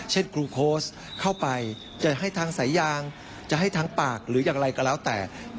ครูโค้ชเข้าไปจะให้ทางสายยางจะให้ทางปากหรืออย่างไรก็แล้วแต่